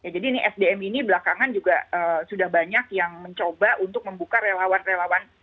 jadi sdm ini belakangan juga sudah banyak yang mencoba untuk membuka relawan relawan